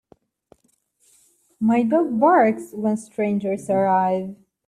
My dog barks when strangers arrive.